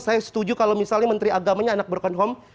saya setuju kalau misalnya menteri agamanya anak broken home